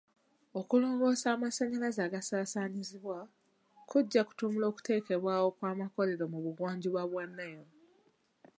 Okulongoosa amasanyalaze agasaasaanyizibwa kujja kutumbula okuteekebwawo kw'amakolero mu bugwanjuba bwa Nile.